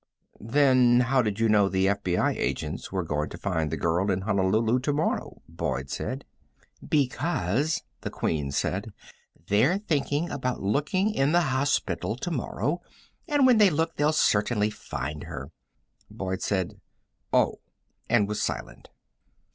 "Then how did you know the FBI agents were going to find the girl in Honolulu tomorrow?" Boyd said. "Because," the Queen said, "they're thinking about looking in the hospital tomorrow, and when they look they'll certainly find her." Boyd said: "Oh," and was silent.